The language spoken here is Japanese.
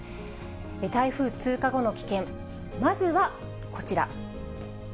台風通過後も危険、まずはこちら。